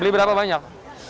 beli berapa banyak